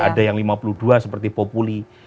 ada yang lima puluh dua seperti populi